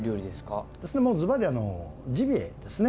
ずばりジビエですね。